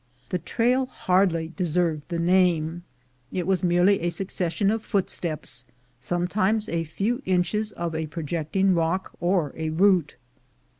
The trail hardly deserved the name — it was merely a succession of footsteps, sometimes a few inches of a projecting rock, or a root.